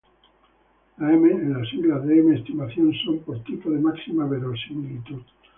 La M en las siglas de M-estimación son por "Tipo de máxima verosimilitud".